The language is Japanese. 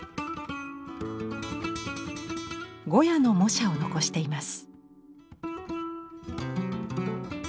ゴヤの模写を残しています。